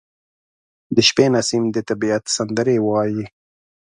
• د شپې نسیم د طبیعت سندرې وايي.